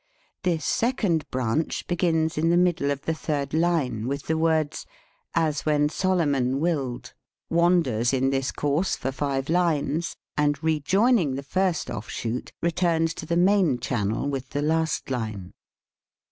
This second branch begins in the middle of the third line with the words, "as when Solomon willed," wanders in this course for five lines, and, rejoining the first offshoot, returns to the main channel with the last line.